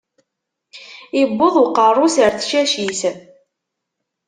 Iwweḍ uqeṛṛu-s ar tcacit.